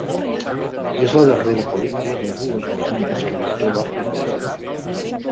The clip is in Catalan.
És la darrera pel·lícula de dues bobines que l’actor va realitzar.